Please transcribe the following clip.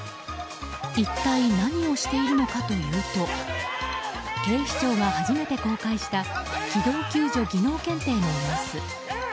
一体何をしているのかというと警視庁が初めて公開した機動救助技能検定の様子。